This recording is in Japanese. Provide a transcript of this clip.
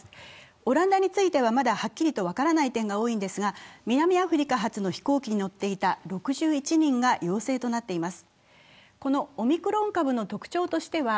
オランダについてはまだはっきりと分からない点が多いんですが、南アフリカ発の飛行機に乗っていた６１人が陽性となっています。